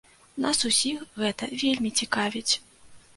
Нас усіх гэта вельмі цікавіць.